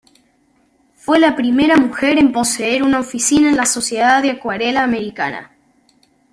Fue la primera mujer en poseer una oficina en la Sociedad de Acuarela americana.